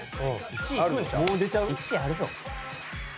１位あるぞ。